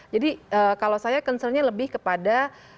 jadi kalau saya concernnya lebih kepada